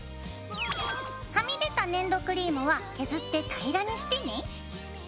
はみ出た粘土クリームは削って平らにしてね。